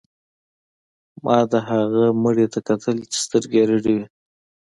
ما د هغه مړي ته کتل چې سترګې یې رډې وې